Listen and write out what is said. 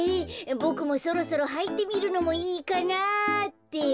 ボクもそろそろはいてみるのもいいかなあって。